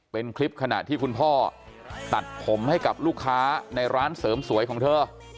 เป็นคลิปขณะที่คุณพ่อตัดผมให้กับลูกค้าในร้านเสริมสวยของเธอ